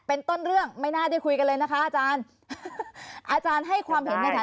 เป็นต้นเรื่องไม่น่าได้คุยกันเลยนะคะอาจารย์อาจารย์ให้ความเห็นในฐานะ